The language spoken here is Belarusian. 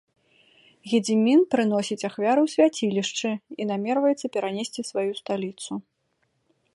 Гедзімін прыносіць ахвяры ў свяцілішчы і намерваецца перанесці сваю сталіцу.